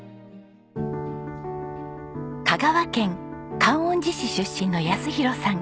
香川県観音寺市出身の泰弘さん。